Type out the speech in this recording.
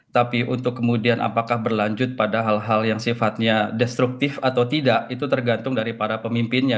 tapi untuk kemudian apakah berlanjut pada hal hal yang sifatnya destruktif atau tidak itu tergantung dari para pemimpinnya